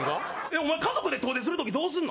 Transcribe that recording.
お前、家族で遠出するときどうすんの？